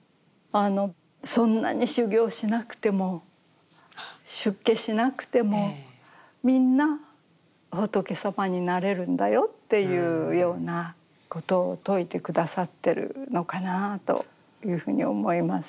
そんなに修行しなくても出家しなくてもみんな仏様になれるんだよっていうようなことを説いて下さってるのかなあというふうに思います。